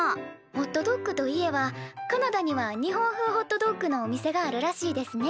ホットドッグといえばカナダには日本風ホットドッグのお店があるらしいですね。